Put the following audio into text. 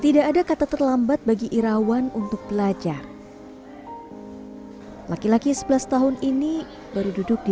tidak ada kata terlambat bagi irawan untuk belajar laki laki sebelas tahun ini baru duduk di